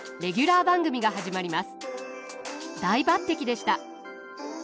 大抜てきでした。